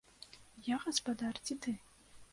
Я гаспадар ці ты?